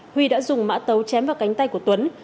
huy đã dùng mã tấu chém vào cánh tay của tuấn